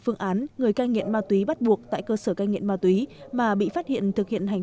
phương án người cai nghiện ma túy bắt buộc tại cơ sở cai nghiện ma túy mà bị phát hiện thực hiện hành